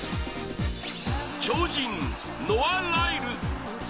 超人ノア・ライルズ。